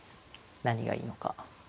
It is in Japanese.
何がいいのか。